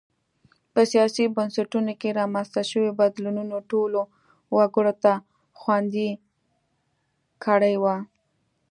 په سیاسي بنسټونو کې رامنځته شویو بدلونونو ټولو وګړو ته خوندي کړي وو.